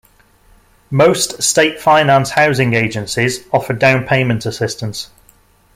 Most State Finance Housing Agencies offer down payment assistance.